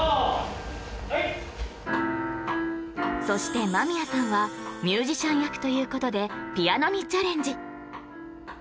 そして間宮さんはミュージシャン役ということでピアノにチャレンジ